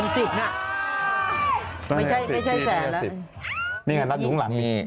แสนเนี่ยมาตรงกลางหนึ่ง